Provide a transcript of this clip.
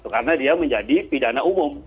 karena dia menjadi pidana umum